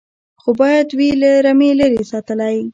خو باید وي له رمې لیري ساتلی